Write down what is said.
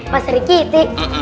pak sri kiti